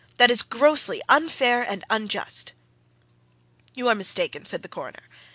That is grossly unfair and unjust!" "You are mistaken," said the Coroner.